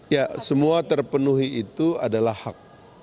ya semua terpenuhi itu adalah hak